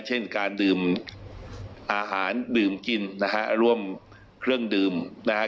เช่นการดื่มอาหารดื่มกินนะฮะร่วมเครื่องดื่มนะฮะ